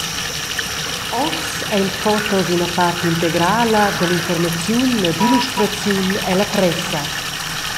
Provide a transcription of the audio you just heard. Oz ein fotos ina part integrala dall’informaziun ed illustraziun ella pressa.